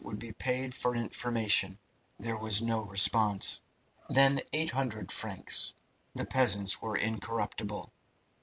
would be paid for information. There was no response. Then 800frs. The peasants were incorruptible.